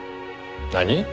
何！？